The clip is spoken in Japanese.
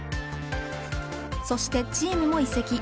そしてチームも移籍。